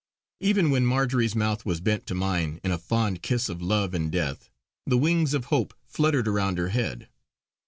Even when Marjory's mouth was bent to mine in a fond kiss of love and death, the wings of Hope fluttered around her head.